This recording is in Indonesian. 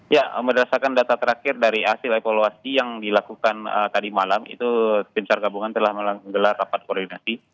ya berdasarkan data terakhir dari hasil evaluasi yang dilakukan tadi malam itu tim sargabungan telah menggelar rapat koordinasi